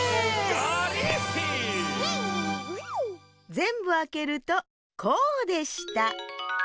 ぜんぶあけるとこうでした。